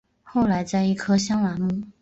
后来在一棵香兰木。